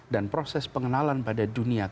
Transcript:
dan proses pengenalan pada dunia tersebut